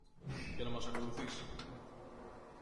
και να μας ακολουθήσει.